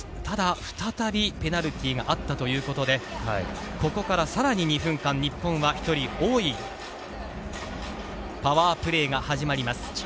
ただ、再びペナルティーがあったということで、ここから更に２分間、日本は１人多いパワープレーが始まります。